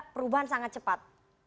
perubahan sangat cepat